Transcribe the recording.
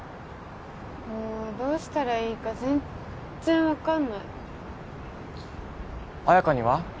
もうどうしたらいいか全っ然分かんない彩花には？